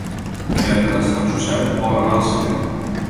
Divendres en Josep vol anar al cinema.